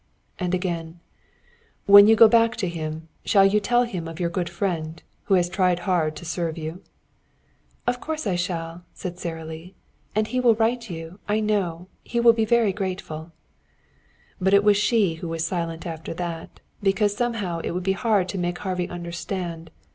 And again: "When you go back to him, shall you tell him of your good friend who has tried hard to serve you?" "Of course I shall," said Sara Lee. "And he will write you, I know. He will be very grateful." But it was she who was silent after that, because somehow it would be hard to make Harvey understand.